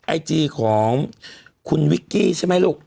ไอจีของคุณวิกกี้ใช่ไหมลูก